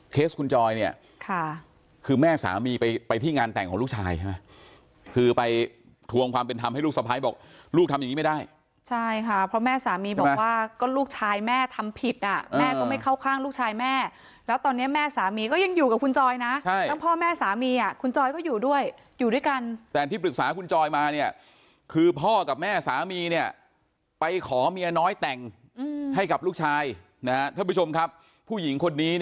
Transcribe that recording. เคสคุณจอยเนี่ยค่ะคือแม่สามีไปไปที่งานแต่งของลูกชายใช่ไหมคือไปทวงความเป็นธรรมให้ลูกสบายบอกลูกทำอย่างนี้ไม่ได้ใช่ค่ะเพราะแม่สามีบอกว่าก็ลูกชายแม่ทำผิดอ่ะแม่ก็ไม่เข้าข้างลูกชายแม่แล้วตอนนี้แม่สามีก็ยังอยู่กับคุณจอยนะใช่ตั้งพ่อแม่สามีอ่ะคุณจอยก็อยู่ด้วยอยู่ด้วยกันแต่ที่ปรึกษาคุณ